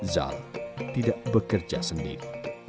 zal tidak bekerja sendiri